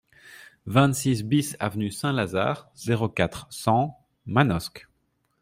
vingt-six BIS avenue Saint-Lazare, zéro quatre, cent, Manosque